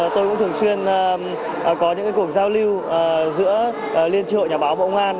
tôi cũng thường xuyên có những cuộc giao lưu giữa liên tri hội nhà báo bộ công an